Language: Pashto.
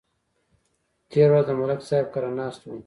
تېره ورځ د ملک صاحب کره ناست وو